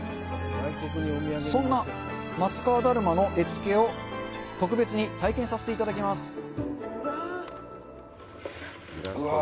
そんな松川だるまの絵付けを特別に体験させていただきます。